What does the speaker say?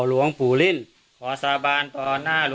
ข้าพเจ้านางสาวสุภัณฑ์หลาโภ